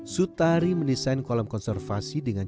sutari mendesain kolam konservasi dengan